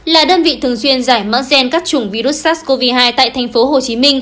là đơn vị thường xuyên giải mã gen các chủng virus sars cov hai tại tp hcm